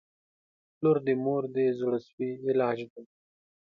• لور د مور د زړسوي علاج دی.